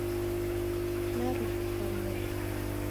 Naruwuka moda